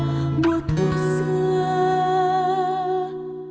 mùa thu xưa